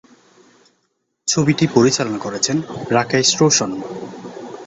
ছবিটি পরিচালনা করেছেন রাকেশ রোশন।